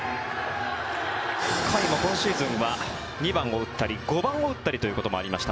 甲斐も今シーズンは２番を打ったり５番を打ったりということもありました。